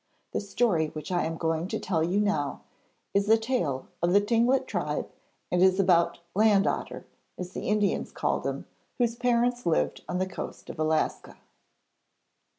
The story which I am going to tell you now is a tale of the Tlingit tribe and is about 'Land otter,' as the Indians called him, whose parents lived on the coast of Alaska.